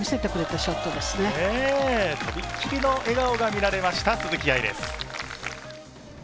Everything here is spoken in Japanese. とびきりの笑顔が見られました鈴木愛です。